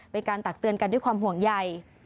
เป็นการตักเตือนกันด้วยความห่วงใหญ่